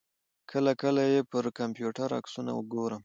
کله کله یې پر کمپیوټر عکسونه ګورم.